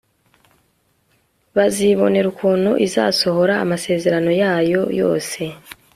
bazibonera ukuntu izasohoza amasezerano yayo yose